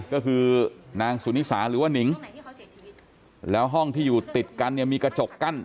ก็คือนางสุนิสาหรือว่านิงแล้วห้องที่อยู่ติดกันเนี่ยมีกระจกกั้น